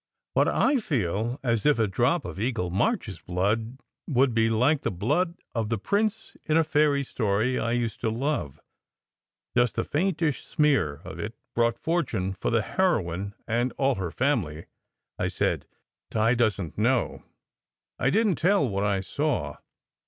But I feel as if a drop of Eagle March s blood would be like the blood of the prince in a fairy story I used to love. Just the faintest smear of it brought fortune for the heroine and all her family," I said. "Di doesn t know. I didn t tell what I saw.